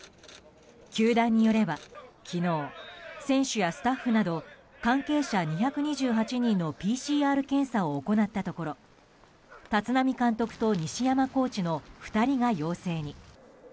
球団によれば昨日選手やスタッフなど関係者２２８人のＰＣＲ検査を行ったところ立浪監督と西山コーチの２人が陽性に。